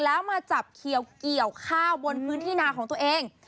แล้วมาจับเขียวเกี่ยวข้าวบนพื้นที่นาของตัวเอง